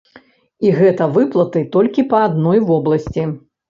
І гэта выплаты толькі па адной вобласці!